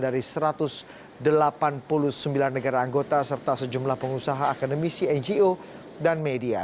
dari satu ratus delapan puluh sembilan negara anggota serta sejumlah pengusaha akademisi ngo dan media